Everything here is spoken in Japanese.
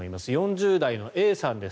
４０代のＡさんです。